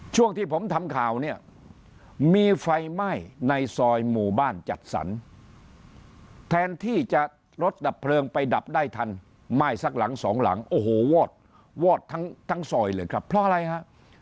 ช่วงที่ผมทำข่าวเนี่ยมีไฟไหม้ในซอยหมู่บ้านจัดสรรแทนที่จะรถดับเพลิงไปดับได้ทันไหม้สักหลังสองหลังโอ้โหวอดวอดทั้งซอยเลยครับเพราะอะไรฮะ